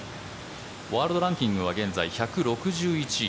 ワールドランキングは現在１６１位。